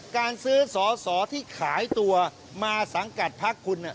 การซื้อสอสอที่ขายตัวมาสังกัดพักคุณ